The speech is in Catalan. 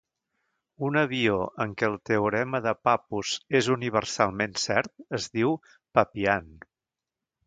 Un avió en què el teorema de Pappus és universalment cert es diu "Pappian".